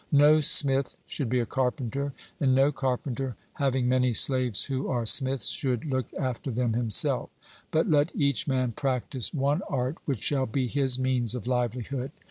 No smith should be a carpenter, and no carpenter, having many slaves who are smiths, should look after them himself; but let each man practise one art which shall be his means of livelihood.